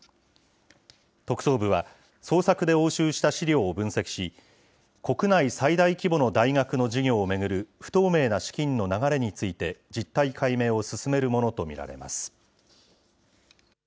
特捜部は、捜索で押収した資料を分析し、国内最大規模の大学の事業を巡る不透明な資金の流れについて、実態解明を進めるものと見られます。